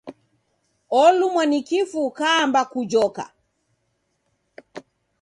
Olumwa ni kifu ukaamba kujoka!